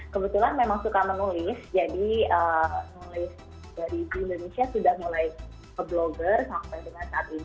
kebetulan memang suka menulis jadi nulis dari di indonesia sudah mulai ke blogger sampai dengan saat ini